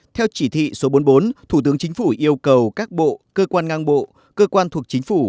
theo chỉ thị số bốn mươi bốn thủ tướng chính phủ yêu cầu các bộ cơ quan ngang bộ cơ quan thuộc chính phủ